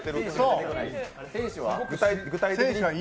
具体的には？